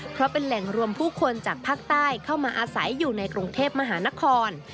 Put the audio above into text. เพราะเป็นแหล่งรวมผู้คนจากภาคใต้เข้ามาอาศัยอยู่ในกรุงเทพมหานคร